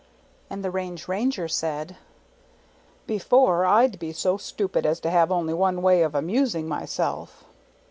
And the Range Ranger said, " Before Pd be so stupid as to have only one way of amusing myself!!"